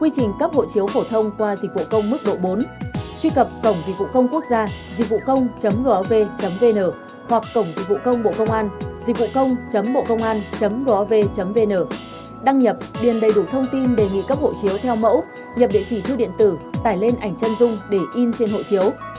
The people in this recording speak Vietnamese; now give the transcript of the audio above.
các hộ chiếu theo mẫu nhập địa chỉ thu điện tử tải lên ảnh chân dung để in trên hộ chiếu